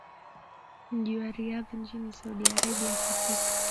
mji wa Riyadh nchini Saudi Arabia katika